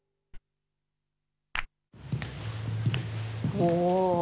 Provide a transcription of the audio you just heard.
お！